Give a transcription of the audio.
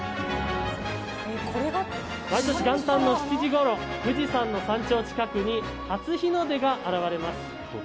毎年元旦の７時ごろ、富士山の山頂近くに、初日の出が現れます。